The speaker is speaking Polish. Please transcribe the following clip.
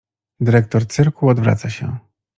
Dyrektor cyrku odwraca się.